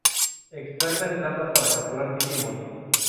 Experta en trampas para capturar digimons.